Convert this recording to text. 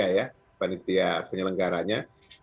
panitia ya panitia penyelenggaranya